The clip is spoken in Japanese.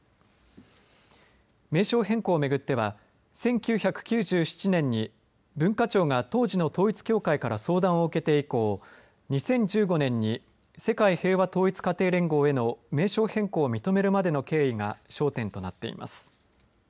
名称変更を巡っては１９９７年に文化庁が当時の統一教会から相談を受けて以降２０１５年に世界平和統一家庭連合への名称変更を認めるまでの経緯が焦点となっています。